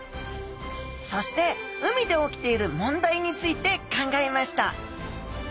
そして海で起きている問題について考えました。